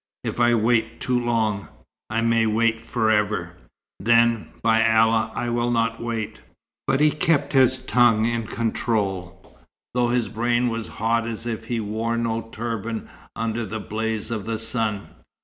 "If I 'wait too long, I may wait for ever.' Then, by Allah, I will not wait." But he kept his tongue in control, though his brain was hot as if he wore no turban, under the blaze of the sun.